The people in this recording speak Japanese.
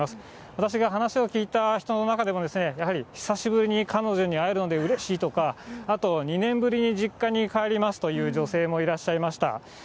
私が話を聞いた人の中には、やはり久しぶりに彼女に会えるのでうれしいとか、あと２年ぶりに実家に帰りますという女性もいらっしゃいました。